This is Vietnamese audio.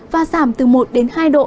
và giảm từ một đến hai độ